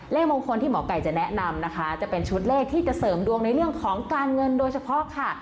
เลขมงคลที่หมอไก่จะแนะนำนะคะจะเป็นชุดเลขที่จะเสริมดวงในเรื่องของการเงินโดยเฉพาะค่ะ